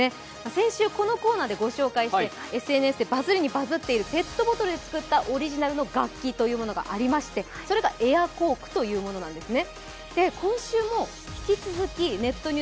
先週、このコーナーでご紹介して、ＳＮＳでバズりにバズっている、ペットボトルで作ったオリジナルの楽器というものがありましてそれがエアコークというものなんですね。